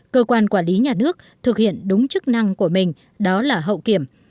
cơ quan quản lý nhà nước thực hiện đúng chức năng của mình đó là hậu kiểm